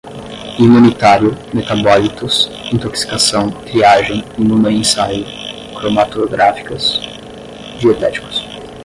imunitário, metabólitos, intoxicação, triagem, imunoensaio, cromatográficas, dietéticos